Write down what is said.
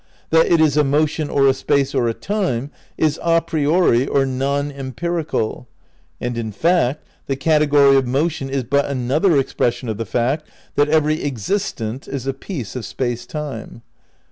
... That it is a motion or a space or a time is a priori or non empirical; and in fact the category of motion is but an other expression of the fact that every existent is a piece of Space Time."